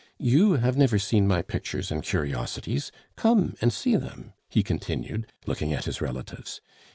You have never seen my pictures and curiosities; come and see them," he continued, looking at his relatives.